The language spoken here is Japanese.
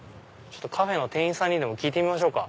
カフェの店員さんにでも聞いてみましょうか。